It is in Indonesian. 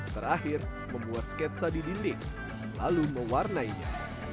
terakhir membuat sketsa di dinding lalu mewarnainya